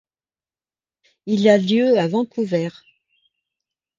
Il a lieu à Vancouver.